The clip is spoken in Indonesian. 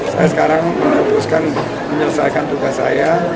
saya sekarang memutuskan menyelesaikan tugas saya